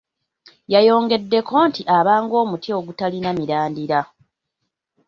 Yayongeddeko nti abanga omuti ogutalina mirandira.